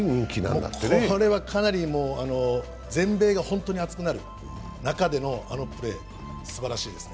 これはかなり全米が本当に熱くなる中でのあのプレー、すばらしいですね。